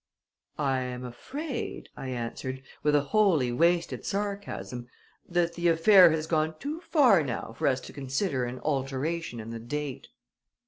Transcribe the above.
"I am afraid," I answered, with a wholly wasted sarcasm, "that the affair has gone too far now for us to consider an alteration in the date."